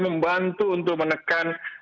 membantu untuk menekan